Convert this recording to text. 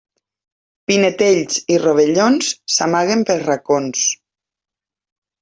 Pinetells i rovellons s'amaguen pels racons.